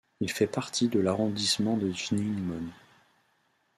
Il fait partie de l'arrondissement de Njimom.